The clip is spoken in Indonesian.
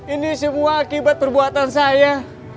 ini semua akibat perbuatan saya